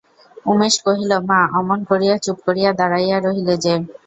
উমেশ কহিল, মা, অমন করিয়া চুপ করিয়া দাঁড়াইয়া রহিলে যে!